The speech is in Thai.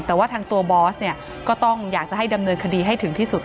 แต่ว่าทางตัวบอสเนี่ยก็ต้องอยากจะให้ดำเนินคดีให้ถึงที่สุด